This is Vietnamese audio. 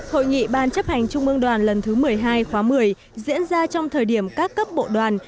hội nghị ban chấp hành trung ương đoàn lần thứ một mươi hai khóa một mươi diễn ra trong thời điểm các cấp bộ đoàn